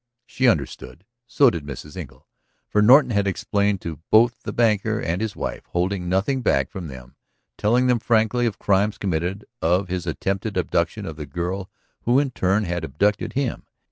She understood. So did Mrs. Engle. For Norton had explained to both the banker and his wife, holding nothing back from them, telling them frankly of crimes committed, of his attempted abduction of the girl who in turn had "abducted him."